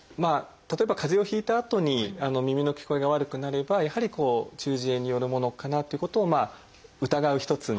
例えば風邪をひいたあとに耳の聞こえが悪くなればやはり中耳炎によるものかなってことをまあ疑う一つの。